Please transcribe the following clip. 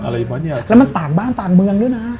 แล้วมันต่างบ้านต่างเมืองด้วยนะ